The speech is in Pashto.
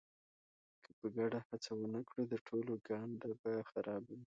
که په ګډه هڅه ونه کړو د ټولو ګانده به خرابه وي.